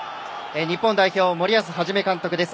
日本代表、森保一監督です。